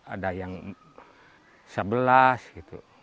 ada yang sebelas gitu